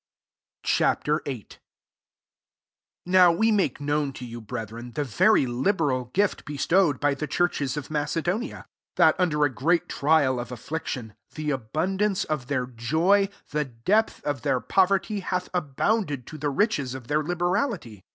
, Ch. VIII. 1 NOW we make pown to you, brethren, the pry liberal* gift bestowed by le churches of Macedonia; that, under a great trial of Biction, the abundance of leir joy, the depth of their ftverty, hath abounded to the ichcs of their liberality.